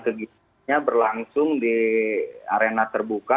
kegiatannya berlangsung di arena terbuka